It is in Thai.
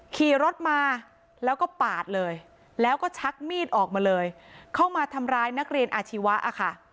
ขี่รถมาแล้วก็ปาดเลยแล้วก็ชักมีดออกมาเลยเข้ามาทำร้ายนักเรียนอาชีวะค่ะ